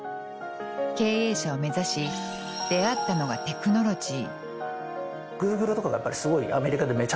経営者を目指し出会ったのはテクノロジー。